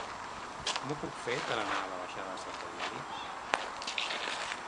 Com ho puc fer per anar a la baixada de Santa Eulàlia?